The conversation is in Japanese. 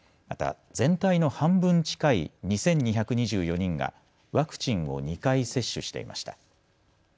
また、全体の半分近い２２２４人がワクチンを２回接種していました。